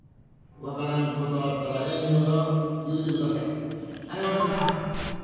分からんことあったら遠慮のう言うてください。ありませんか？